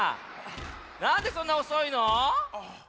なんでそんなおそいの？